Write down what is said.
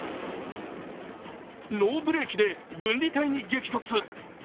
ノーブレーキで分離帯に激突。